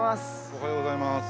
おはようございます。